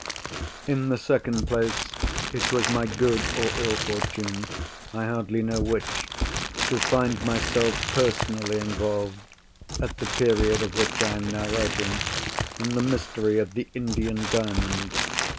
In the second place, it was my good or ill fortune, I hardly know which, to find myself personally involved—at the period of which I am now writing—in the mystery of the Indian Diamond.